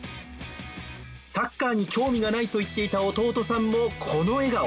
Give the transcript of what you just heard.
サッカーに興味がないといっていた弟さんもこの笑顔。